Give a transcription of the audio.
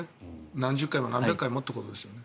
何十回も何百回もということですよね。